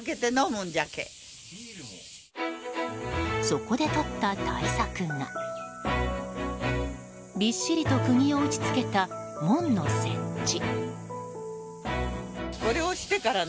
そこでとった対策がびっしりと釘を打ち付けた門の設置。